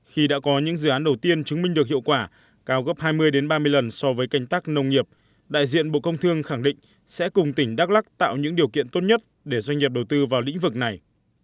khi đã có những dự án đầu tiên chứng minh được hiệu quả cao gấp hai mươi ba mươi lần so với canh tắc nông nghiệp đại diện bộ công thương khẳng định sẽ cùng tỉnh đắk lắc tạo những điều kiện tốt nhất để doanh nghiệp đầu tư vào lĩnh vực này